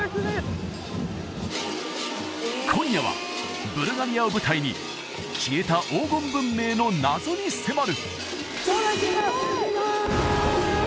今夜はブルガリアを舞台に消えた黄金文明の謎に迫る！